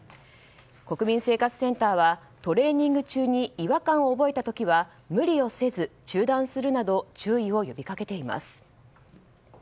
国民生活センターはトレーニング中に違和感を覚えた時は無理をせず、中断するなど注意を呼び掛けています。